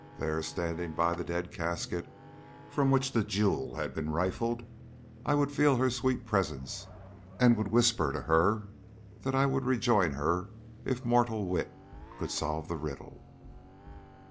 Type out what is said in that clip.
There, standing by the dead casket from which the jewel had been rifled, I would feel her sweet presence, and would whisper to her that I would rejoin her if mortal wit could solve the riddle.